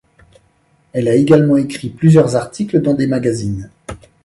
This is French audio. Elle a également écrit plusieurs articles dans des magazines.